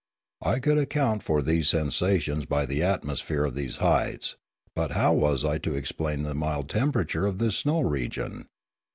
I could account for these sensations by the atmosphere of these heights, but how was I to explain the mild temperature of this snow region?